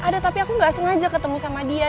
ada tapi aku gak sengaja ketemu sama dia